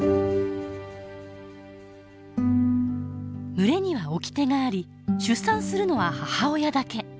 群れにはおきてがあり出産するのは母親だけ。